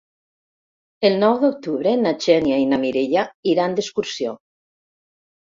El nou d'octubre na Xènia i na Mireia iran d'excursió.